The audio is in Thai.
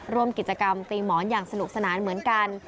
ร่วมกิจกรรมตีหมอนอย่างสนุกสนานเหมือนกัน